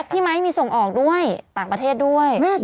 ไมค์มีส่งออกด้วยต่างประเทศด้วย